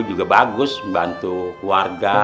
udah bagus bantu warga